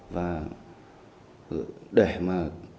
và để mà